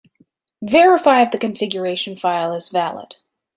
Verify if the configuration file is valid.